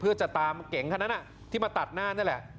เพื่อจะตามเก๋งคนนั้นที่มาตัดหน้านี่แหละ